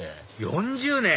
４０年！